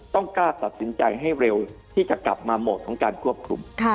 ต้องกล้าตัดสินใจให้เร็วที่จะกลับมาโหมดของการควบคุม